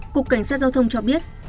cục cảnh sát giao thông cho biết